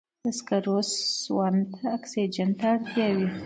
د سکرو سون ته د اکسیجن ته اړتیا وي.